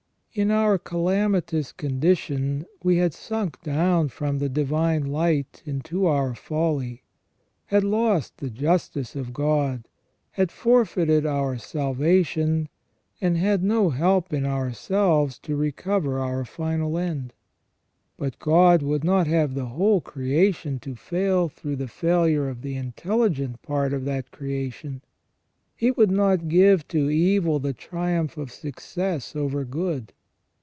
In our calamitous condition we had sunk down from the divine light into our folly, had lost the justice of God, had forfeited our salvation, and had no help in ourselves to recover our final end. But God would not have the whole creation to fail through the failure of the intelligent part of that creation. He would not give to evil the triumph of success over good.